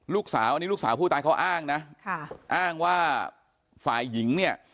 ลูกสาวอันนี้ลูกสาวผู้ตายเขาอ้างนะค่ะอ้างว่าฝ่ายหญิงเนี่ย